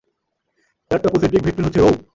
এটার topocentric vector হচ্ছে রোও।